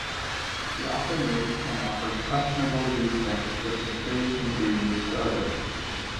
She often makes and offers questionable juice mix with mysterious ingredients to others.